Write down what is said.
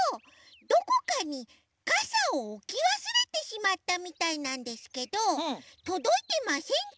どこかにかさをおきわすれてしまったみたいなんですけどとどいてませんか？